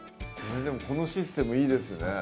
このシステムいいですね